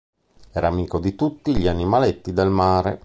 Era amico di tutti gli animaletti del mare.